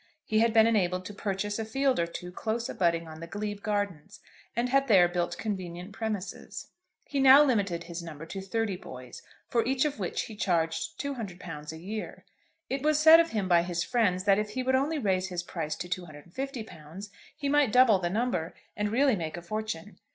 He had been enabled to purchase a field or two close abutting on the glebe gardens, and had there built convenient premises. He now limited his number to thirty boys, for each of which he charged £200 a year. It was said of him by his friends that if he would only raise his price to £250, he might double the number, and really make a fortune.